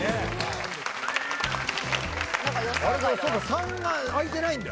３があいてないんだ。